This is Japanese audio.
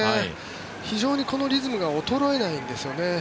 非常にこのリズムが衰えないんですよね。